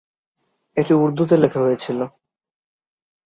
এটি উর্দুতে লেখা হয়েছিল।